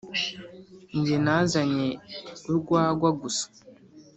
Nge nazanye urwagwa gusa